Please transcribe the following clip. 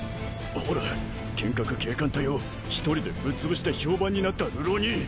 ほら剣客警官隊を一人でぶっつぶして評判になった流浪人。